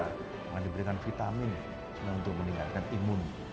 kita akan diberikan vitamin untuk meningkatkan imun